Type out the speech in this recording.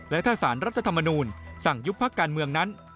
และถ้าสารรัฐธรรมนูลสั่งยุบพักการเมืองนั้น